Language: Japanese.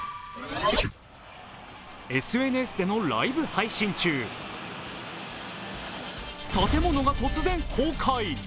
ＳＮＳでのライブ配信中、建物が突然崩壊。